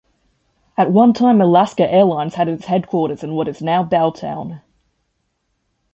At one time Alaska Airlines had its headquarters in what is now Belltown.